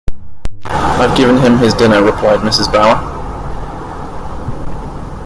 “I’ve given him his dinner,” replied Mrs. Bower.